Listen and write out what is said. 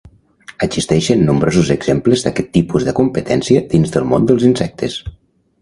Existeixen nombrosos exemples d'aquest tipus de competència dins del món dels insectes.